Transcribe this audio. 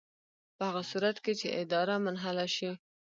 په هغه صورت کې چې اداره منحله شي.